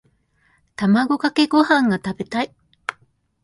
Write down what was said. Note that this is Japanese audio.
卵かけご飯が食べたい。